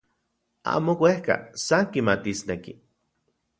Amo uejka, san kimatisneki.